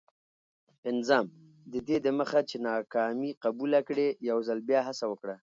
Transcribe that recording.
پنځم: ددې دمخه چي ناکامي قبوله کړې، یوځل بیا هڅه وکړه.